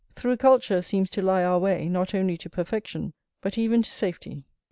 Through culture seems to lie our way, not only to perfection, but even to safety.